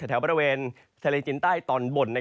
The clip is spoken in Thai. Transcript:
แถวบริเวณทะเลจินใต้ตอนบน